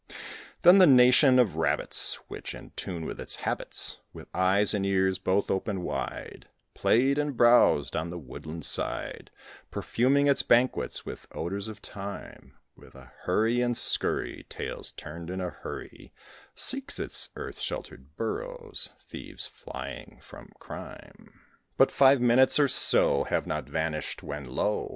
Then the nation of Rabbits, Which, in tune with its habits, With eyes and ears both open wide, Played and browsed on the woodland side, Perfuming its banquets with odours of thyme, With a hurry and scurry, Tails turned in a hurry, Seeks its earth sheltered burrows (thieves flying from crime.) But five minutes, or so, Have not vanished, when, lo!